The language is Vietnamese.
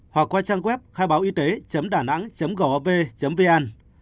hoặc qua trang web khai báo y tế đà nẵng gov vn